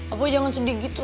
abah jangan sedih gitu